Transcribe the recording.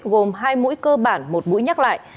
gồm hai mũi cơ bản một mũi nhắc lại